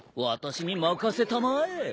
私に任せたまえ。